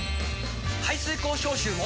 排水口消臭も！